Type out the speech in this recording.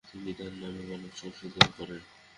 তিনি তার নামে বানান সংশোধন করেন।